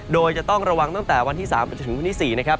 โดยจะต้องระวังตั้งแต่วันที่๓จนถึงวันที่๔นะครับ